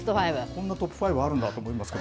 こんなトップ５あるんだ？と思いますけど。